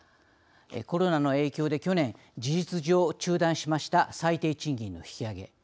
コロナの影響で去年事実上中断しました最低賃金の引き上げ。